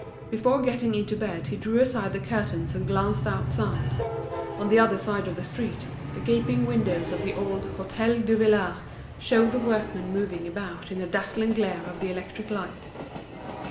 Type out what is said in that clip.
Before getting into bed he drew aside the curtains and glanced outside; on the other side of the street, the gaping windows of the old Hôtel Duvillard showed the workmen moving about in the dazzling glare of the electric light.